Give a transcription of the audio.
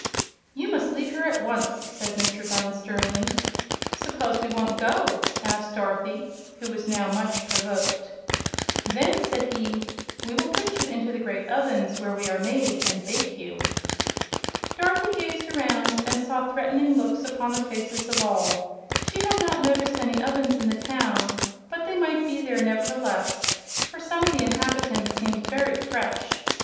"You must leave here at once!" said Mr. Bunn, sternly. "Suppose we won't go?" said Dorothy, who was now much provoked. "Then," said he, "we will put you into the great ovens where we are made, and bake you." Dorothy gazed around and saw threatening looks upon the faces of all. She had not noticed any ovens in the town, but they might be there, nevertheless, for some of the inhabitants seemed very fresh.